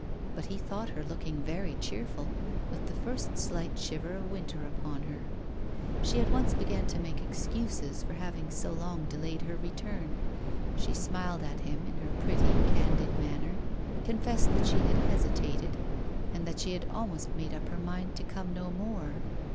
But he thought her looking very cheerful, with the first slight shiver of winter upon her. She at once began to make excuses for having so long delayed her return. She smiled at him in her pretty candid manner, confessed that she had hesitated, and that she had almost made up her mind to come no more.